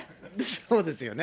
そうですよね。